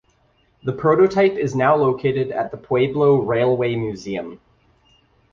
The prototype is now located at the Pueblo Railway museum.